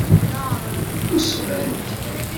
Usment.